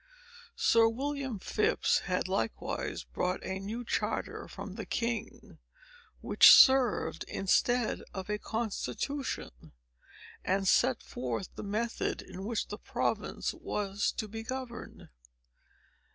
Sir William Phips had likewise brought a new charter from the king, which served instead of a constitution, and set forth the method in which the province was to be governed."